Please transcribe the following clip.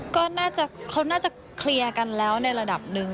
ก็น่าจะเขาน่าจะเคลียร์กันแล้วในระดับหนึ่ง